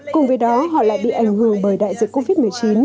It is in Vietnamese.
cùng với đó họ lại bị ảnh hưởng bởi đại dịch covid một mươi chín